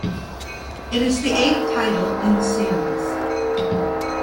It is the eighth title in the series.